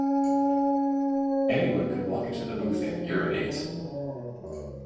Anyone could walk into the booth and urinate.